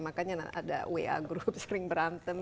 makanya ada wa group sering berantem